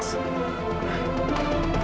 kita semua aman